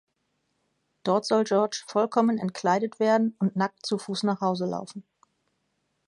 Dort soll George vollkommen entkleidet werden und nackt zu Fuß nach Hause laufen.